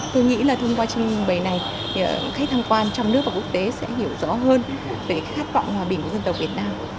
tôi nghĩ là thông qua trưng bày này khách tham quan trong nước và quốc tế sẽ hiểu rõ hơn về khát vọng hòa bình của dân tộc việt nam